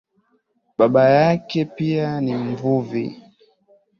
Baba yake pia ni mvuvi